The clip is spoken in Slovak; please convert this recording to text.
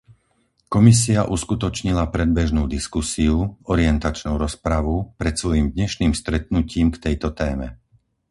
Komisia uskutočnila predbežnú diskusiu, orientačnú rozpravu, pred svojím dnešným stretnutím k tejto téme.